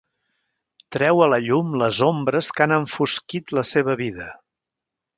Treu a la llum les ombres que han enfosquit la seva vida.